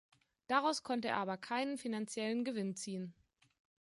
Daraus konnte er aber keinen finanziellen Gewinn ziehen.